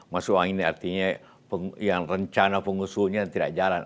masuk angin artinya yang rencana pengusuhnya tidak jalan